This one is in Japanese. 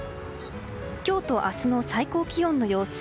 今日と明日の最高気温の様子。